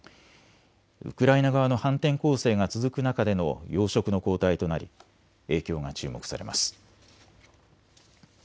ウクライナ側の反転攻勢が続く中での要職の交代となり影響が注目されます。